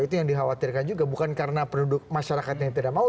itu yang dikhawatirkan juga bukan karena penduduk masyarakat yang tidak mau